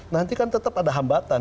nanti kan tetap ada hambatan